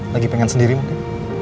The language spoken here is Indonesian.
lagi pengen sendiri mungkin